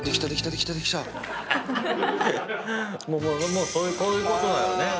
もうこういうことだよね。